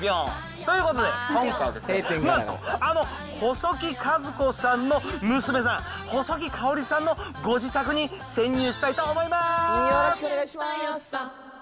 ということで、今回はなんと、あの細木数子さんの娘さん、細木かおりさんのご自宅に潜入したいと思います。